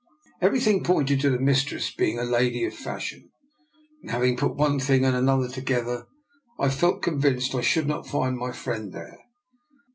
Everything pointed to the mistress being a lady of fashion; and having put one thing and another together, I felt convinced I should not find my friend there.